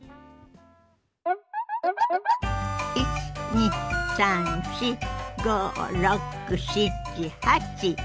１２３４５６７８。